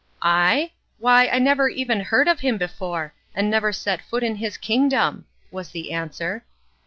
"I? Why, I never even heard of him before, and never set foot in his kingdom!" was the answer.